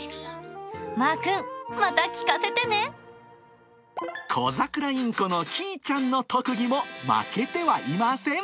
まーくん、コザクラインコのキーちゃんの特技も、負けてはいません。